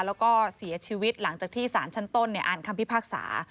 แล้วก็เสียชีวิตหลังจากที่สารชั้นต้นอ่านคำพิพากษา